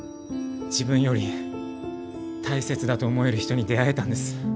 自分より大切だと思える人に出会えたんです。